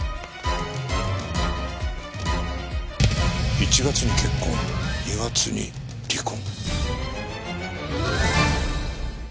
１月に結婚２月に離婚？